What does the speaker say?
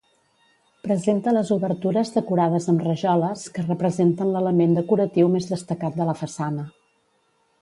Presenta les obertures decorades amb rajoles, que representen l'element decoratiu més destacat de la façana.